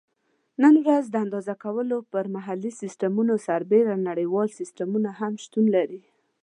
نن ورځ د اندازه کولو پر محلي سیسټمونو سربیره نړیوال سیسټمونه هم شتون لري.